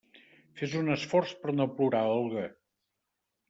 Fes un esforç per no plorar, Olga!